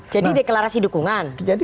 jadi deklarasi dukungan